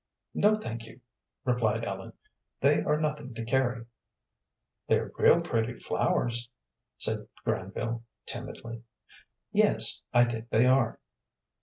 "No, thank you," replied Ellen. "They are nothing to carry." "They're real pretty flowers," said Granville, timidly. "Yes, I think they are."